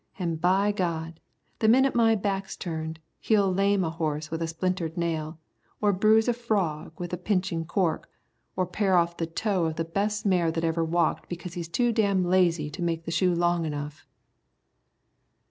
An' by God! The minute my back's turned, he'll lame a horse with a splintered nail, or bruise a frog with a pinchin' cork, or pare off the toe of the best mare that ever walked because he's too damn' lazy to make the shoe long enough."